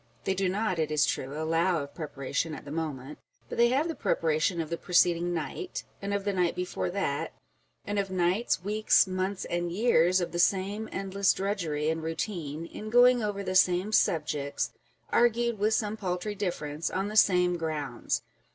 They do not, it is true, allow of prepara 380 On the Difference between tion at the moment, but they liave the preparation of the preceding night, and of the night before that, and of nights, weeks, months and years of the same endless drudgery and routine, in going over the same subjects, argued (with some paltry difference) on the same grounds.